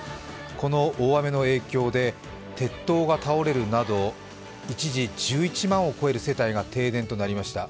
この大雨の影響で鉄塔が倒れるなど、一時、１１万を超える世帯が停電となりました。